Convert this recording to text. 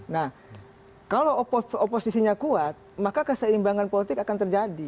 nah kalau oposisinya kuat maka keseimbangan politik akan terjadi